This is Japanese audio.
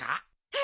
え！？